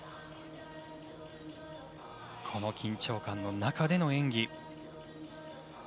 この緊張感の中での演技。